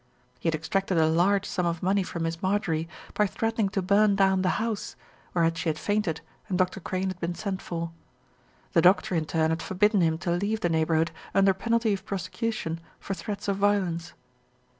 He had extracted a large sum of money from Miss Marjorie by threatening to burn down the house, whereat she had fainted and Dr. Crane had been sent for. The doctor in turn had forbidden him to leave the neighbourhood under pen alty of prosecution for threats of violence.